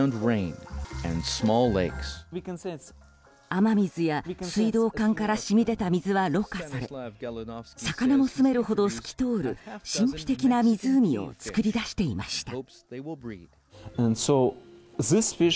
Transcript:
雨水や水道管から染み出た水はろ過され魚もすめるほど透き通る神秘的な湖を作り出していました。